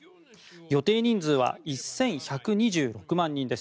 予定人数は１１２６万人です。